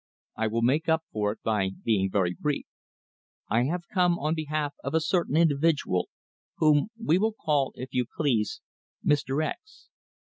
"I will make up for it by being very brief. I have come on behalf of a certain individual whom we will call, if you please, Mr. X